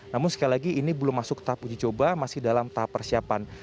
namun sekali lagi ini belum masuk tahap uji coba masih dalam tahap persiapan